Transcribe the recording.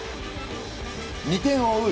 ２点を追う